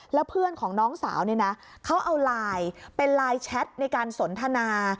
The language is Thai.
แล้วเพื่อนของน้องสาวเนี่ยนะเขาเอาไลน์เป็นไลน์แชทในการสนทนา